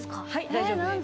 大丈夫です。